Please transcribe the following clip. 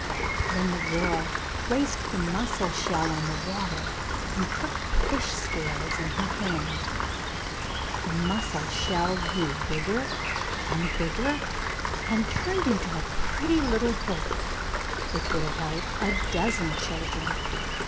Then the girl placed the mussel shell on the water and took the fish scales in her hand. The mussel shell grew bigger and bigger, and turned into a pretty little boat, which would have held a dozen children.